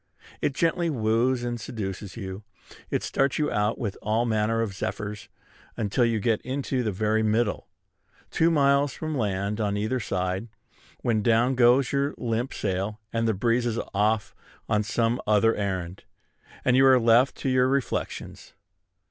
It gently wooes and seduces you; it starts you out with all manner of zephyrs, until you get into the very middle, two miles from land on either side, when down goes your limp sail, and the breeze is off on some other errand, and you are left to your reflections.